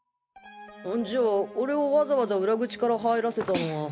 じゃあ俺をわざわざ裏口から入らせたのは。